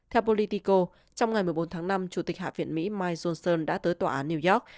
theo politico trong ngày một mươi bốn tháng năm chủ tịch hạ viện mỹ mike johnson đã tới tòa án new york